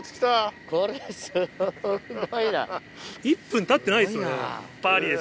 １分たってないですよね。